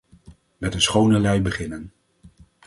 Met een schone lei beginnen.